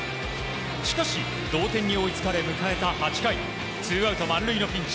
しかし同点に追いつかれ迎えた８回ツーアウト満塁のピンチ。